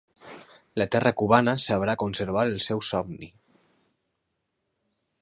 La terra cubana sabrà conservar el seu somni.